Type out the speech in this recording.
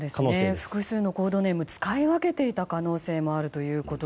複数のコードネームを使い分けていた可能性があると。